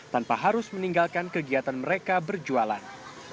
tanpa harus meninggalkan kegiatan mereka berjualan